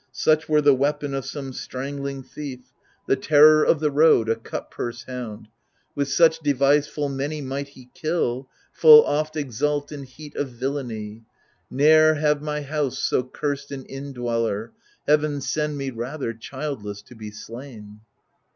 Such were the weapon of some strangling thief, 128 THE LIBATION BEARERS The terror of the road, a cut purse hound — With such device full many might he kill, Full oft exult in heat of villainy. Ne'er have my house so cursed an indweller — Heaven send me, rather, childless to be slain